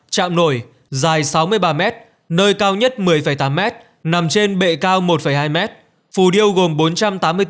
chạm nổi dài sáu mươi ba m nơi cao nhất một mươi tám m nằm trên bệ cao một hai m phù điêu gồm